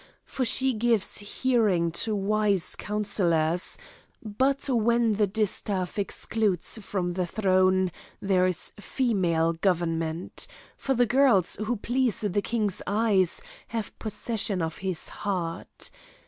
For she gives hearing to wise councillors; but when the distaff excludes from the throne, there is female government; for the girls, who please the king's eyes, have possession of his heart.